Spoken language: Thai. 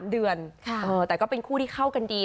๓เดือนแต่ก็เป็นคู่ที่เข้ากันดี